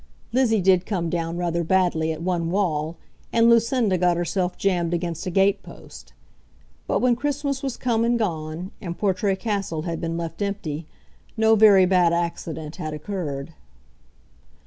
Lizzie did come down rather badly at one wall, and Lucinda got herself jammed against a gate post. But when Christmas was come and gone, and Portray Castle had been left empty, no very bad accident had occurred.